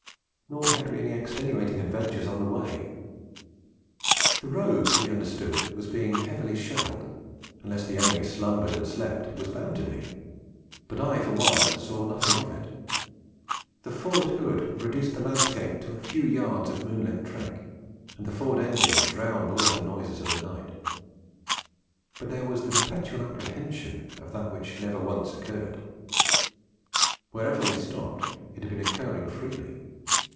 Nor had we any extenuating adventures on the way. The road, we understood, was being heavily shelled; unless the enemy slumbered and slept, it was bound to be; but I for one saw nothing of it. The Ford hood reduced the landscape to a few yards of moonlit track, and the Ford engine drowned all other noises of the night. But there was the perpetual apprehension of that which never once occurred. Wherever we stopped, it had been occurring freely.